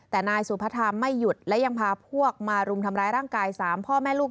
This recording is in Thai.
แต่นายสุพธามไม่หยุดและยังพาพวกมารุมทำร้ายร่างกาย๓พ่อแม่ลูก